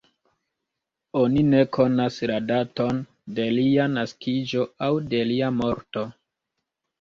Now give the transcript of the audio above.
Oni ne konas la daton de lia naskiĝo aŭ de lia morto.